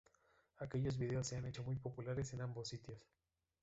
Aquellos vídeos se han hecho muy populares en ambos sitios.